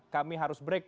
kami harus break